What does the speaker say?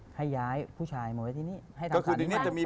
ให้ย้ายผู้ชายมาไว้ที่นี่ให้ทำสารนี้